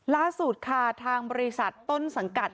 ล่าสุดค่ะทางบริษัทต้นสังกัด